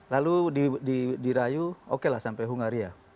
lalu dirayu oke lah sampai hungaria